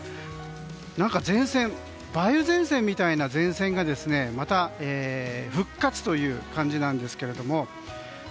梅雨前線みたいな前線がまた復活という感じなんですけども。